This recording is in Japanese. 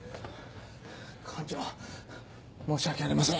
館長申し訳ありません。